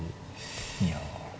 いや。